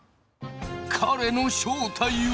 彼の正体は。